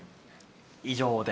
以上で。